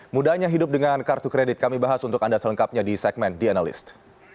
mudahnya hidup dengan kartu kredit kami bahas untuk anda selengkapnya di segmen the analyst